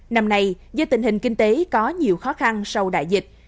năm nay do tình hình kinh tế có nhiều khó khăn sau đại dịch